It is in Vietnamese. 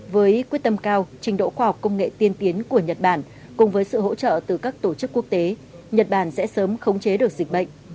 với quyết tâm cao trình độ khoa học công nghệ tiên tiến của nhật bản cùng với sự hỗ trợ từ các tổ chức quốc tế nhật bản sẽ sớm khống chế được dịch bệnh